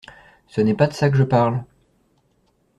Ce n’est pas de ça que je parle.